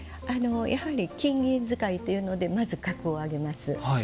やはり金銀使いというのでまず格を上げます。